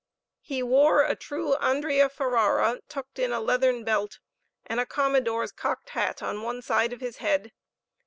He wore a true Andrea Ferrara tucked in a leathern belt, and a commodore's cocked hat on one side of his head.